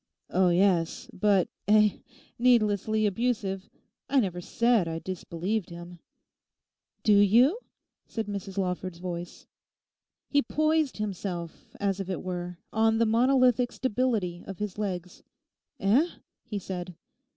'Oh yes. But—eh?—needlessly abusive? I never said I disbelieved him.' 'Do you?' said Mrs Lawford's voice. He poised himself, as if it were, on the monolithic stability of his legs. 'Eh?' he said.